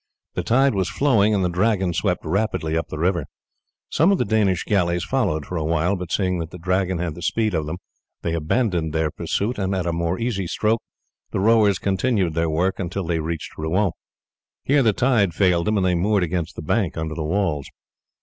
The tide was flowing, and the Dragon swept rapidly up the river. Some of the Danish galleys followed for a while, but seeing that the Dragon had the speed of them, they abandoned the pursuit, and at a more easy stroke the rowers continued their work until they reached Rouen. Here the tide failed them, and they moored against the bank under the walls.